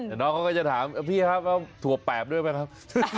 แต่น้องเขาก็จะถามพี่ครับถั่วแปบด้วยไหมครับ